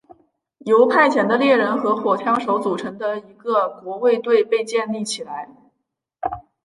由派遣的猎人和火枪手组成的一个国卫队被建立起来。